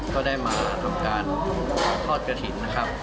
ก็ได้มาทำการทอดกระถิ่นนะครับ